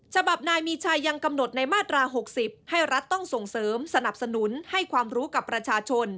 ฉบับนายมีชัยยังกำหนดในมาตรา๖๐ให้รัฐต้องส่งเสริมสนับสนุนให้ความรู้กับประชาชน